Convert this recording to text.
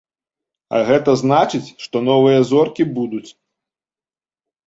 А гэта значыць, што новыя зоркі будуць.